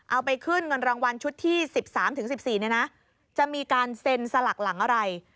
เอาไปขึ้นเงินรางวัลชุดที่๑๓๑๔เนี่ยนะจะมีการเซ็นสลักหลังอะไร